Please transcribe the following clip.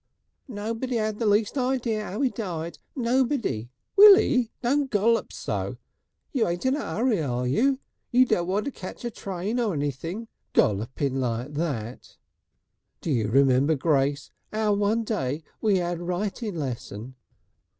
"Nobody 'ad the least idea 'ow 'E died, nobody.... Willie, don't golp so. You ain't in a 'urry, are you? You don't want to ketch a train or anything, golping like that!" "D'you remember, Grace, 'ow one day we 'ad writing lesson...."